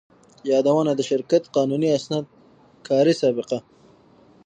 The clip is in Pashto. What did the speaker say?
يادونه: د شرکت قانوني اسناد، کاري سابقه،